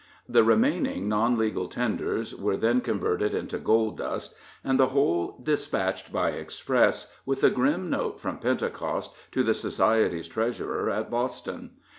The remaining non legal tenders were then converted into gold dust, and the whole dispatched by express, with a grim note from Pentecost, to the society's treasurer at Boston.